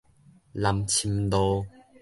南深路